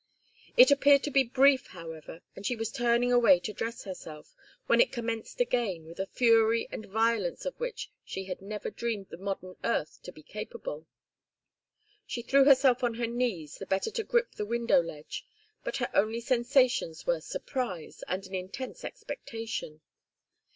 It appeared to be brief, however, and she was turning away to dress herself, when it commenced again with a fury and violence of which she had never dreamed the modern earth to be capable. She threw herself on her knees the better to grip the window ledge, but her only sensations were surprise and an intense expectation.